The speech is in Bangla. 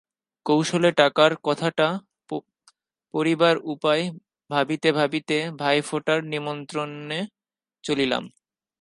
কৌশলে টাকার কথাটা পড়িবার উপায় ভাবিতে ভাবিতে ভাইফোঁটার নিমন্ত্রণে চলিলাম।